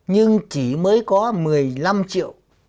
nhưng chỉ mới có một mươi năm triệu